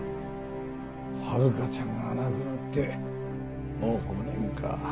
遥ちゃんが亡くなってもう５年か。